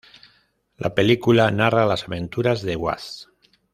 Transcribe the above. La película narra las aventuras de Vash.